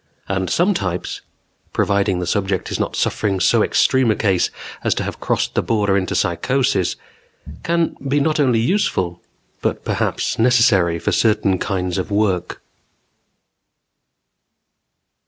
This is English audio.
And some types || (providing the subject is not suffering so extreme a case as || to have crossed the border into psychosis) can be not only || useful, but perhaps necessary for certain kinds of work....